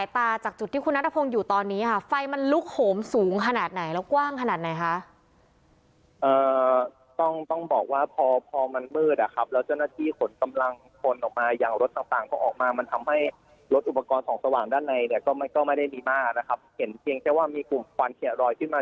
ไม่เห็นแล้วนะครับเพราะว่าตอนเนี้ยอุปกรณ์ของสว่างภายในเนี้ย